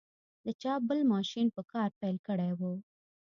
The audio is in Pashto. د چاپ بل ماشین په کار پیل کړی و.